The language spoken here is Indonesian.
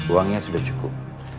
uangnya sudah cukup